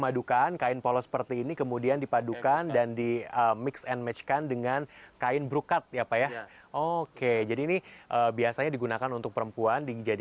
di sini ada juga kemah